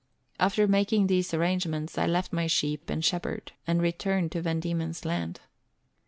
After making these arrangements, I left my sheep and shepherd and returned to Van Diemen's Land.